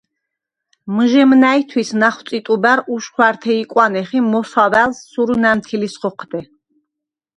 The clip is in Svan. მჷჟემ ნა̈ჲთვის ნახვწი ტუბა̈რ უშხვა̈რთე იკვანეხ ი მოსავა̈ლს სურუ ნამთილის ხოჴდე.